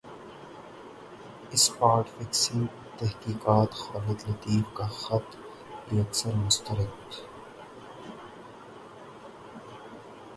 spot fixing تحقیقات خالد لطیف کا خط یکسر مسترد